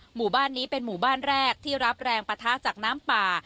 หมู่บ้านนี้เป็นหมู่บ้านแรกที่รับแรงปะทะจากน้ำป่า